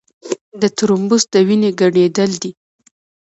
د ترومبوس د وینې ګڼېدل دي.